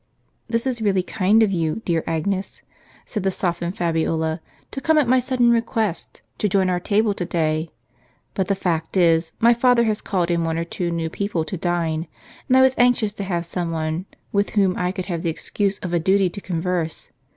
" This is really kind of you, dear Agnes," said the softened Fabiola, "to come at my sudden request, to join our table to day. But the fact is, my father has called in one or two new people to dine, and I was anxious to have some one with whom I could have the excuse of a duty to converse.